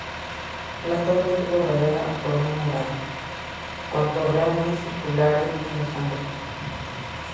La torre estuvo rodeada por una muralla, con torreones circulares en los ángulos.